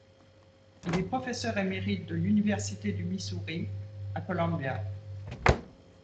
Il est professeur émérite de l'université du Missouri à Columbia.